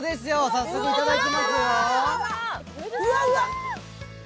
早速いただきます。